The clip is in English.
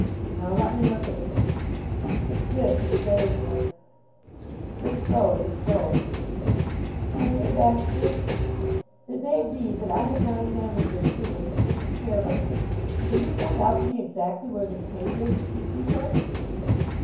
"Now let me look at This, you say, is the Just so; just so! Just My dear Baxter, it may be that I have not examined this shoe with sufficient care, but Can you point out to me exactly where this paint is that you speak of?"